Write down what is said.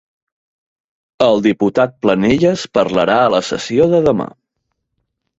El diputat Planelles parlarà a la sessió de demà.